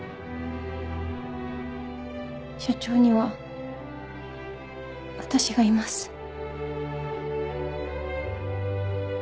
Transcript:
社長には私がいます。